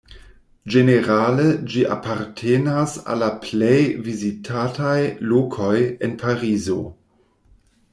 Ĝenerale ĝi apartenas al la plej vizitataj lokoj en Parizo.